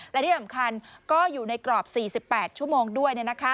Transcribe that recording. และที่สำคัญก็อยู่ในกรอบ๔๘ชั่วโมงด้วย